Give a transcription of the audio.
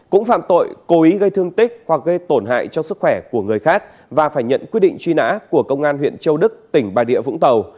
cũng phạm tội cố ý gây thương tích hoặc gây tổn hại cho sức khỏe của người khác và phải nhận quyết định truy nã của công an huyện châu đức tỉnh bà địa vũng tàu